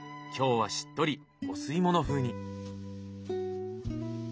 今日はしっとりお吸い物風に。